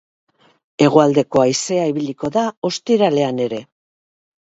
Hegoaldeko haizea ibiliko da ostiralean ere.